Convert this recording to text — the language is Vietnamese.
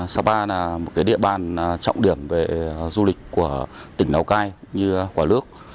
sapa là một địa bàn trọng điểm về du lịch của tỉnh lào cai như quả lước